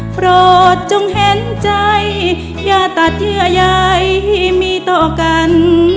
โปรดจงเห็นใจอย่าตัดเยื่อใยมีต่อกัน